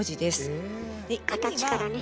形からね。